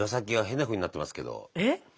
えっ？